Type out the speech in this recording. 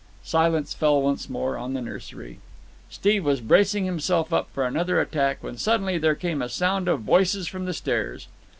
Silence fell once more on the nursery. Steve was bracing himself up for another attack when suddenly there came a sound of voices from the stairs.